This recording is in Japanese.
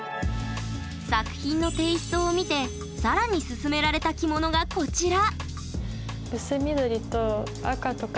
作品のテイストを見て更にすすめられた着物がこちら！